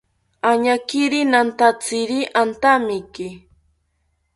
Añakiri nantatziri antamiki